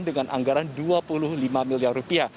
dengan anggaran dua puluh lima miliar rupiah